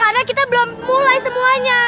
karena kita belum mulai semuanya